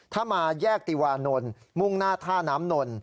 ถ้ามาแยกติวานนท์มุ่งหน้าท่าน้ำนน